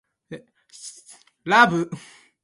Most prominent is Lisa Simpson in "The Simpsons".